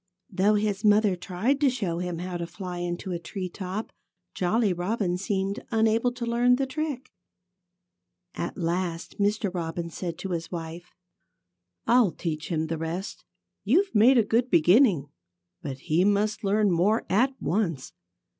Though his mother tried to show him how to fly into a tree top, Jolly Robin seemed unable to learn the trick. At last Mr. Robin said to his wife: "I'll teach him the rest. You've made a good beginning. But he must learn more at once.